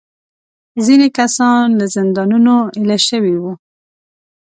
ځینې کسان له زندانونو ایله شوي وو.